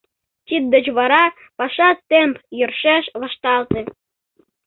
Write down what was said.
Тиддеч вара паша темп йӧршеш вашталте.